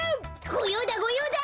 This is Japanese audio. ごようだごようだ！